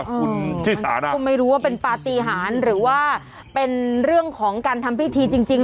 คุณชิสานะก็ไม่รู้ว่าเป็นปฏิหารหรือว่าเป็นเรื่องของการทำพิธีจริง